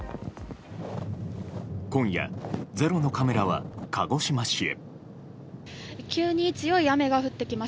今夜「ｚｅｒｏ」のカメラは鹿児島市へ。